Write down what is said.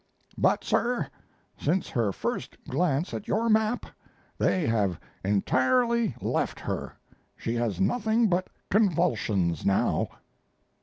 But, sir, since her first glance at your map they have entirely left her. She has nothing but convulsions now.